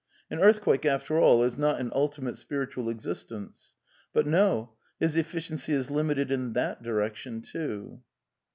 An earth quake, after all, is not an ultimate spiritual existence. But no, his eflBciency is limited in that direction, too.